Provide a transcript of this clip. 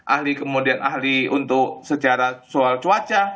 ahli kemudian ahli untuk sejarah soal cuaca